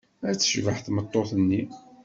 Ay tecbeḥ tmeṭṭut-nni!